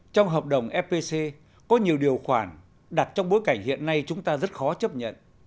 trong hợp đồng fpc có nhiều điều khoản đặt trong bối cảnh hiện nay chúng ta rất khó chấp nhận